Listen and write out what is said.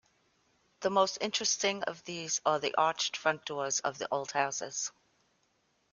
The most interesting of these are the arched front doors of the old houses.